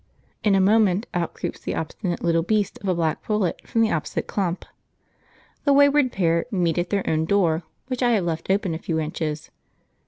In a moment out creeps the obstinate little beast of a black pullet from the opposite clump. The wayward pair meet at their own door, which I have left open a few inches.